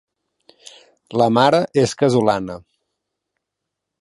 La mare és casolana.